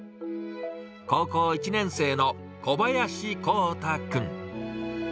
高校１年生の小林航大君。